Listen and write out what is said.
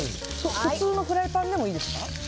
普通のフライパンでもいいですか？